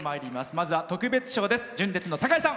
まずは特別賞です。